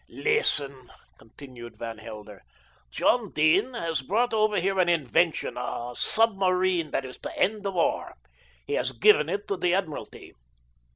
"Listen," continued Van Helder. "John Dene has brought over here an invention, a submarine that is to end the war. He has given it to the Admiralty."